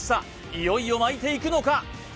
いよいよ巻いていくのか？